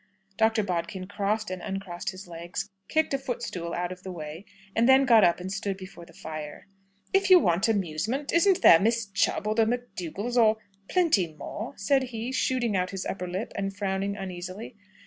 Dr. Bodkin crossed and uncrossed his legs, kicked a footstool out of the way, and then got up and stood before the fire. "If you want amusement, isn't there Miss Chubb or the McDougalls, or or plenty more?" said he, shooting out his upper lip, and frowning uneasily.